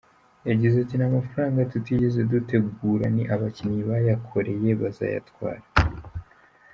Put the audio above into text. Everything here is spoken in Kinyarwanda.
Yagize ati” Ni amafaranga tutigeze dutegura ni abakinnyi bayakoreye bazayatwara.